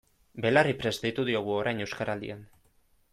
Belarriprest deitu diogu orain Euskaraldian.